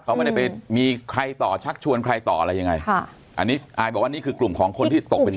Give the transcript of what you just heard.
เขาไม่ได้ไปมีใครต่อชักชวนใครต่ออะไรยังไงค่ะอันนี้อายบอกว่านี่คือกลุ่มของคนที่ตกเป็นเห